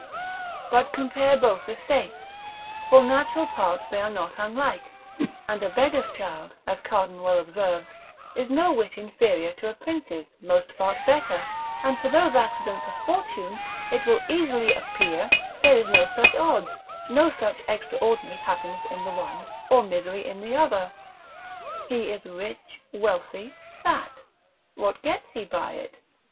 But compare both estates, for natural parts they are not unlike; and a beggar's child, as Cardan well observes, is no whit inferior to a prince's, most part better; and for those accidents of fortune, it will easily appear there is no such odds, no such extraordinary happiness in the one, or misery in the other. He is rich, wealthy, fat; what gets he by it?